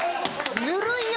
ぬるいよ。